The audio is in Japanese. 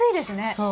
そう。